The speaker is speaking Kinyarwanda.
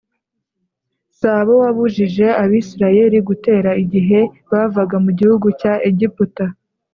S abo wabujije abisirayeli gutera igihe bavaga mu gihugu cya egiputa